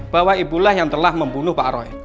bahwa ibu lah yang telah membunuh pak roy